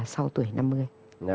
sau tuổi năm mươi